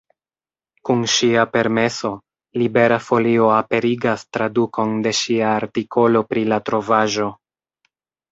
Kun ŝia permeso, Libera Folio aperigas tradukon de ŝia artikolo pri la trovaĵo.